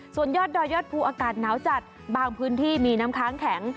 ส่วนยอดดอยยอดภูอากาศหนาวจัดบางพื้นที่มีน้ำค้างแข็ง